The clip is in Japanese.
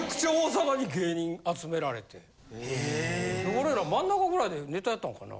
俺ら真ん中ぐらいでネタやったんかな？